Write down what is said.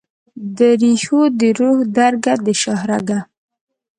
درېښو دروح درګه ، دشاهرګه